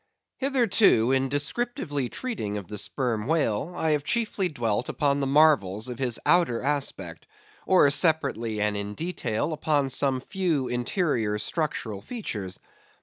Hitherto, in descriptively treating of the Sperm Whale, I have chiefly dwelt upon the marvels of his outer aspect; or separately and in detail upon some few interior structural features.